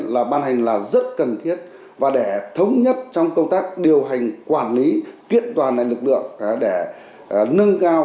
là ban hành là rất cần thiết và để thống nhất trong công tác điều hành quản lý kiện toàn lực lượng để nâng cao